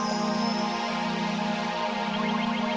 itu adalah beberapa perbedaan disusun